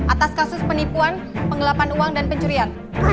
atas kasus penipuan penggelapan uang dan pencurian